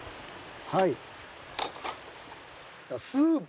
はい。